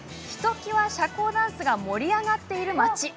ひときわ社交ダンスが盛り上がっている街。